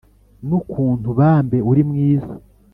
n’ukuntu bambe uri mwiza